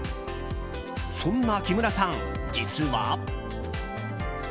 そんなキムラさん、実は。